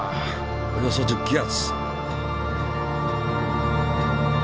およそ１０気圧！